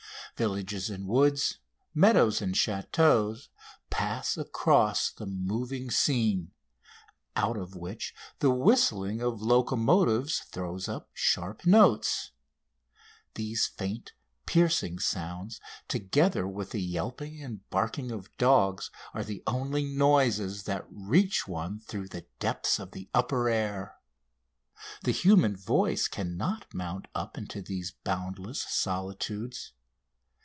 Villages and woods, meadows and chateaux, pass across the moving scene, out of which the whistling of locomotives throws sharp notes. These faint, piercing sounds, together with the yelping and barking of dogs, are the only noises that reach one through the depths of the upper air. The human voice cannot mount up into these boundless solitudes.